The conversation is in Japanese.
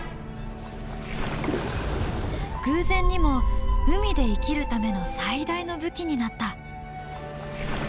偶然にも海で生きるための最大の武器になった。